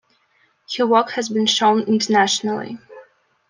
Her work has been shown internationally.